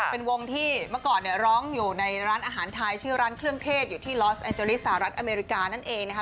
เป็นวงที่เมื่อก่อนเนี่ยร้องอยู่ในร้านอาหารไทยชื่อร้านเครื่องเทศอยู่ที่ลอสแอนเจอริสหรัฐอเมริกานั่นเองนะคะ